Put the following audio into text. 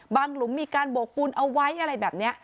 หลุมมีการโบกปูนเอาไว้อะไรแบบนี้